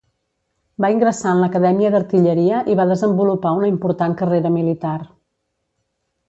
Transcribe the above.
Va ingressar en l'Acadèmia d'Artilleria i va desenvolupar una important carrera militar.